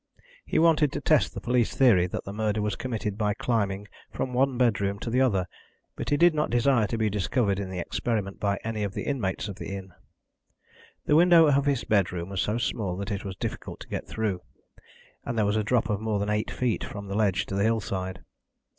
He wanted to test the police theory that the murder was committed by climbing from one bedroom to the other, but he did not desire to be discovered in the experiment by any of the inmates of the inn. The window of his bedroom was so small that it was difficult to get through, and there was a drop of more than eight feet from the ledge to the hillside.